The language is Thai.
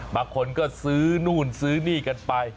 บางคนก็ซื้อนู่นซื้อนี่กันไป